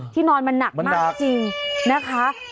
ที่นอนมันนักมากจริงนะคะมันนัก